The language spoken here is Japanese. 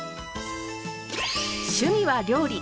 趣味は料理。